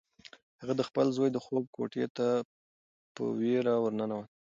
هغه د خپل زوی د خوب کوټې ته په وېره ورننوته.